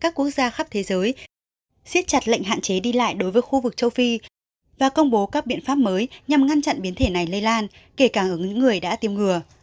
các quốc gia khắp thế giới xiết chặt lệnh hạn chế đi lại đối với khu vực châu phi và công bố các biện pháp mới nhằm ngăn chặn biến thể này lây lan kể cả ở những người đã tiêm ngừa